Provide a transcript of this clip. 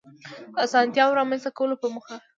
د آسانتیاوو رامنځته کولو په موخه